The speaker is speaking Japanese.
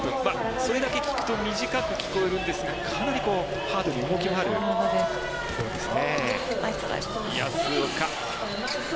それだけ聞くと短く聞こえるんですがかなりハードに動き回る競技ですね。